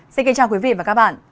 xin kính chào quý vị và các bạn